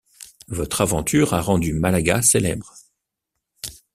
Votre aventure a rendu Malaga célèbre...